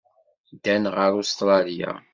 Ddan ɣer Ustṛalya.